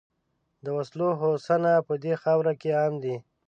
د وسلو هوسونه په دې خاوره کې عام دي.